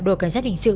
đội cảnh sát hình sự